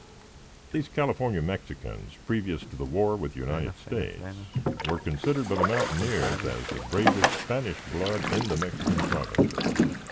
These California Mexicans, previous to the war with the United States, were considered by the mountaineers as the bravest Spanish blood in the Mexican provinces.